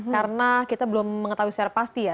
karena kita belum mengetahui secara pasti ya